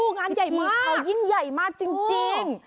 งานใหญ่มากพิธีเขายิ่งใหญ่มากจริง